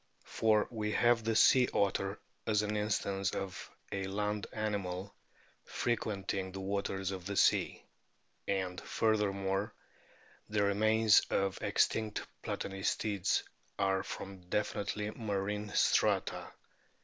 For we have the sea otter as an instance of a land animal frequenting the waters of the sea. And, furthermore, the remains of extinct Platanistids are from definitely marine strata.